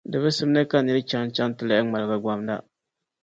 Di bi simdi ka nir’ chaŋchaŋ ti lan ŋmaligi gbamda.